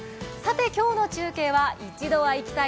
今日の中継は「一度は行きたい！